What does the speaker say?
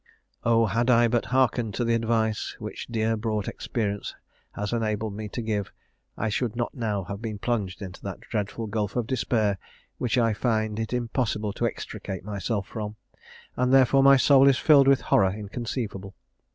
"Oh! had I but hearkened to the advice which dear bought experience has enabled me to give, I should not now have been plunged into that dreadful gulf of despair which I find it impossible to extricate myself from; and therefore my soul is filled with horror inconceivable.